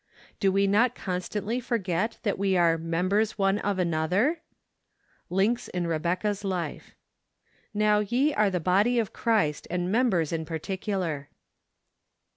Do we not constantly for¬ get that we are " members one of another "? Links in Rebecca's Life. " Now ye are the tody of Christ , and members in particular